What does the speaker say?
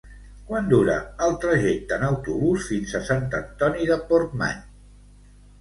Quant dura el trajecte en autobús fins a Sant Antoni de Portmany?